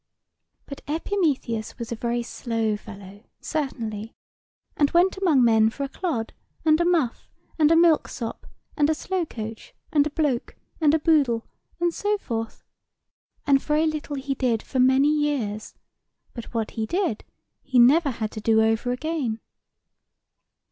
"But Epimetheus was a very slow fellow, certainly, and went among men for a clod, and a muff, and a milksop, and a slowcoach, and a bloke, and a boodle, and so forth. And very little he did, for many years: but what he did, he never had to do over again.